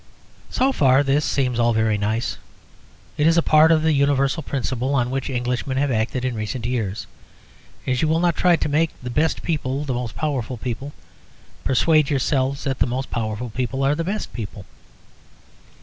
So far this seems all very nice. It is a part of the universal principle on which Englishmen have acted in recent years. As you will not try to make the best people the most powerful people, persuade yourselves that the most powerful people are the best people.